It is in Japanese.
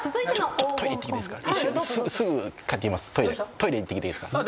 ちょっと行ってきていいですか？